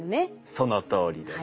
そのとおりです。